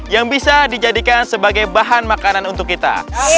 yang bisa dijadikan sebagai bahan makanan untuk kita